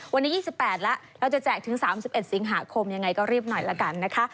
วันนี้๒๘แล้วเราจะแจกถึง๓๑สิงหาคมยังไงก็รีบหน่อยละกันนะคะ